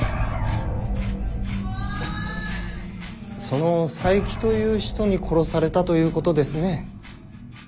その佐伯という人に殺されたということですね。